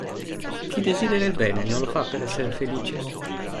Chi desidera il bene non lo fa per essere felice?